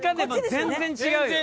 全然違うよこれ。